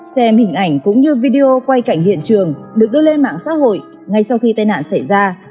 xem hình ảnh cũng như video quay cảnh hiện trường được đưa lên mạng xã hội ngay sau khi tai nạn xảy ra